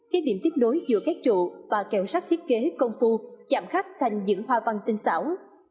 cái điểm tiếp nối giữa các trụ và kèo sắt thiết kế công phu chạm khắc thành những hoa văn tinh xảo